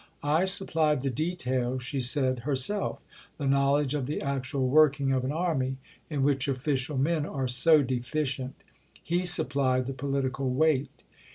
"I supplied the detail," she said herself; "the knowledge of the actual working of an army, in which official men are so deficient; he supplied the political weight."